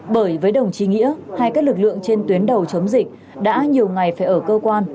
bởi với đồng chí nghĩa hay các lực lượng trên tuyến đầu chống dịch đã nhiều ngày phải ở cơ quan